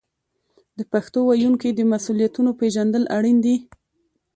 د پښتو ویونکو د مسوولیتونو پیژندل اړین دي.